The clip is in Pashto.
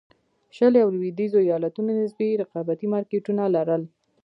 شلي او لوېدیځو ایالتونو نسبي رقابتي مارکېټونه لرل.